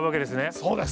そうです。